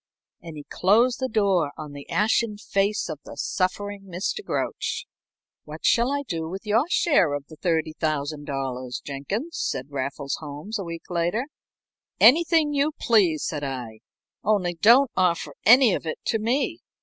And he closed the door on the ashen face of the suffering Mr. Grouch. "What shall I do with your share of the $30,000, Jenkins?" said Raffles Holmes a week later. "Anything you please," said I. "Only don't offer any of it to me.